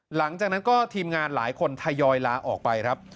หลังจากนั้นก็ทีมงานหลายคนทยอยลาออกไปครับ